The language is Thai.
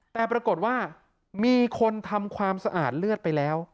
แต่ปรากฏว่ามีคนทำความสะอาดเลือดไปแล้ว